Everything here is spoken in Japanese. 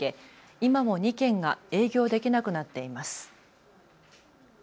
今も２軒が営業できなくなっています。